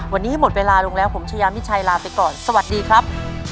วันนี้หมดเวลาลงแล้วผมชายามิชัยลาไปก่อนสวัสดีครับ